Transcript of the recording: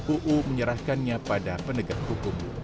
uu menyerahkannya pada penegaknya